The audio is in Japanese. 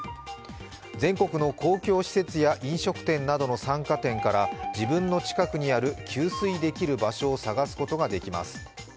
全国の公共施設や飲食店などの参加店から自分の近くにある給水できる場所を探すことができます。